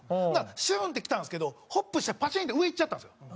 ほんならシューンってきたんですけどホップしてパチーンと上いっちゃったんですよ。